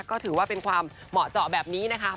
ก็ถูกว่ามอเจาะแบบนี้นะคะ